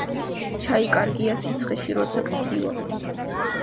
ჩაი კარგია სიცხეში როცა გცივა